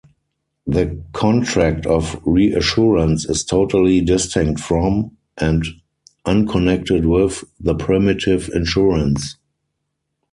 The contract of reassurance is totally distinct from, and unconnected with, the primitive insurance.